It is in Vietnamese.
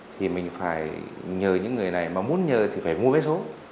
thì mình phải nhờ những người này mà muốn nhờ thì phải mua vé số